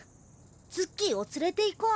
ツッキーをつれていこう。